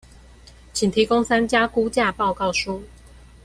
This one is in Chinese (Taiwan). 請提供三家估價報告書